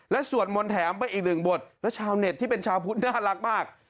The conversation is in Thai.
และสวดมนต์แถมไปอีกหนึ่งบทและชาวเน็ตที่เป็นชาวพุทธน่ารักมาก